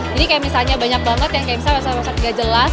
jadi kayak misalnya banyak banget yang kayak misalnya website website gak jelas